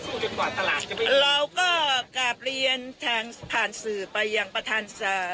สู้จนกว่าตลาดจะไปเราก็กลับเรียนทางผ่านสื่อไปยังประทาน